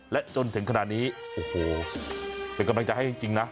และจนถึงขนาดนี้โอ้โหเป็นกำลังใจให้จริงนะ